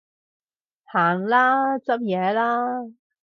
行啦，執嘢啦